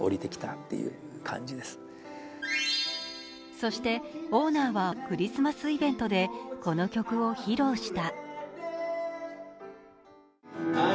そして、オーナーはクリスマスイベントでこの曲を披露した。